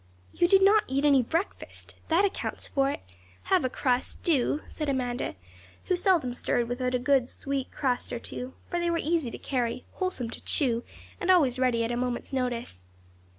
'You did not eat any breakfast. That accounts for it. Have a crust, do,' said Amanda, who seldom stirred without a good, sweet crust or two; for they were easy to carry, wholesome to chew, and always ready at a moment's notice.